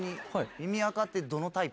耳あかどのタイプ？